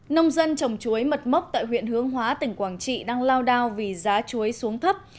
nông dân trồng chuối mật mốc tại huyện hướng hóa tỉnh quảng trị đang lao đao vì giá chuối xuống thấp